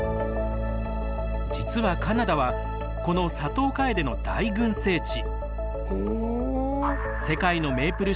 実はカナダはこのサトウカエデの大群生地。